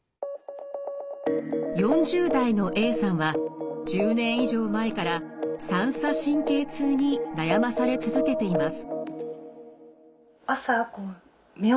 ４０代のＡさんは１０年以上前から三叉神経痛に悩まされ続けています。